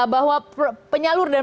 bahwa penyalur dan